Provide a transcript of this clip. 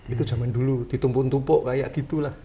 itu zaman dulu ditumpuk tumpuk kayak gitulah